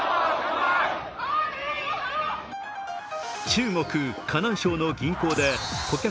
中国・河南省の銀行で顧客